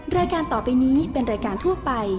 รายการต่อไปนี้เป็นรายการทั่วไป